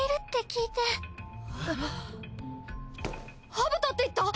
アブトって言った！？